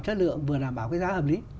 chất lượng vừa đảm bảo giá hợp lý